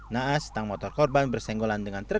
naas tang motor korban bersenggolan dengan truk